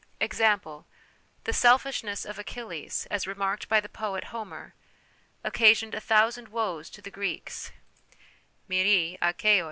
Example : The selfishness of Achilles, as remarked by the poet Homer, occasioned a thousand woes to the Greeks L 'Acajou?